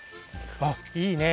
あっいいね！